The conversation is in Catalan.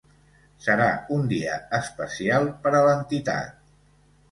Serà un dia especial per a l’entitat.